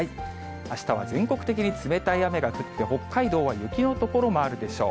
あしたは全国的に冷たい雨が降って、北海道は雪の所もあるでしょう。